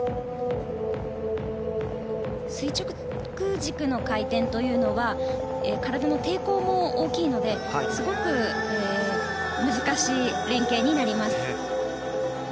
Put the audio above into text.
垂直軸の回転というのは体の抵抗も大きいのですごく難しい連係になります。